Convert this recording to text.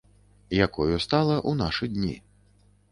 Якою стала ў нашы дні.